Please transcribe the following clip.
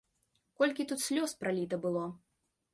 Колькі тут слёз праліта было!